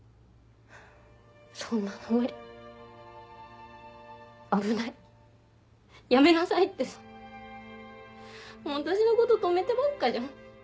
「そんなの無理」「危ない」「やめなさい」ってさ私のこと止めてばっかじゃん。